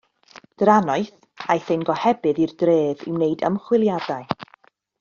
Drannoeth, aeth ein gohebydd i'r dref i wneud ymchwiliadau.